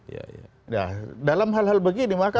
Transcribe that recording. ya dalam hal hal begini maka